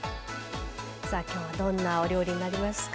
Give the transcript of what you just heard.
今日はどんなお料理になりますか。